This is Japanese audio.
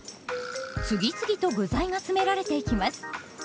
次々と具材が詰められていきます。